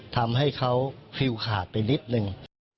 ทำให้เขาฟิลขาดไปนิดนึง